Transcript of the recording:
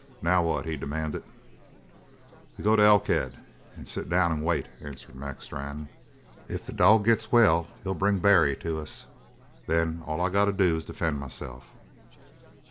"Now what?" he demanded. "We go to Elkhead and sit down and wait," answered Mac Strann. "If the dog gets well he'll bring Barry to us. Then all I've got to do is defend myself."